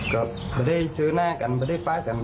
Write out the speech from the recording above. ก็ไม่ได้เจรนหน้าคุณกันไม่ได้ป้ายคุณคุณค่ะ